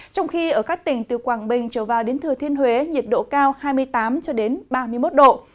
trong khi ở các tỉnh từ quảng bình trở vào đến thừa thiên huế nhiệt độ cao hai mươi tám ba mươi một độ